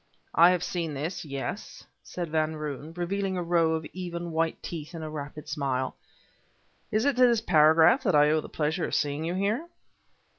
"I have seen this yes," said Van Roon, revealing a row of even, white teeth in a rapid smile. "Is it to this paragraph that I owe the pleasure of seeing you here?"